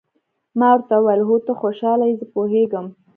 ما ورته وویل: هو، ته خوشاله یې، زه پوهېږم.